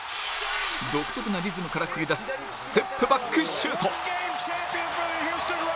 独特なリズムから繰り出すステップバックシュート